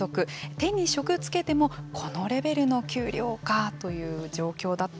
手に職つけてもこのレベルの給料かという状況だった。